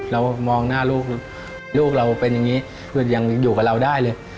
เรามองหน้าลูกลูกเราเป็นอย่างนี้คือยังอยู่กับเราได้เลย